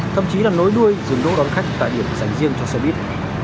thậm chí là nối đuôi dừng đỗ đón khách tại điểm dành riêng cho xe buýt